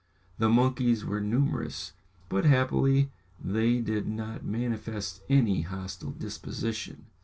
The monkeys were numerous, but happily they did not manifest any hostile disposition.